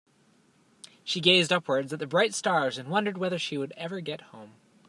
She gazed upwards at the bright stars and wondered whether she would ever get home.